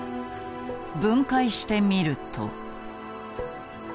分解してみると。